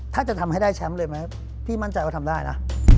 ถ้าจะทำให้ได้แชมป์เลยไหมพี่มั่นใจว่าทำได้นะ